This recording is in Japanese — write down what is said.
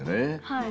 はい。